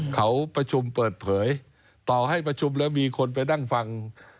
เขาประชุมเปิดเผยต่อให้ประชุมแล้วมีคนไปนั่งฟัง